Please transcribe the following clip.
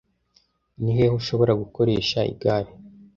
Ni hehe ushobora gukoresha igare